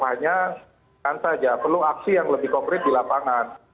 hanya saja perlu aksi yang lebih konkret di lapangan